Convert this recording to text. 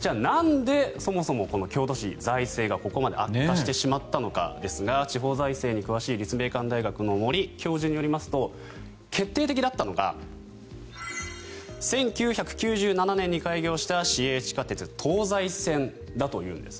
じゃあなんでそもそも京都市財政がここまで悪化してしまったのかですが地方財政に詳しい立命館大学の森教授によりますと決定的だったのが１９９７年に開業した市営地下鉄東西線だというんです。